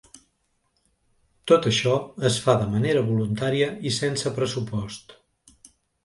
Tot això es fa de manera voluntària i sense pressupost.